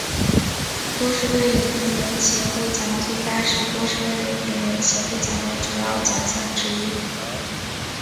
波士顿影评人协会奖最佳是波士顿影评人协会奖的主要奖项之一。